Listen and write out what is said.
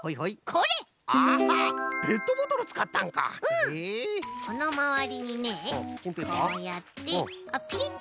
このまわりにねこうやってピリッと。